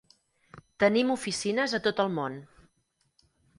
Tenim oficines a tot el món.